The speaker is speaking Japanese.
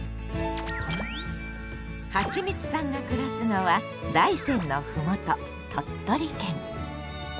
はちみつさんが暮らすのは大山のふもと鳥取県。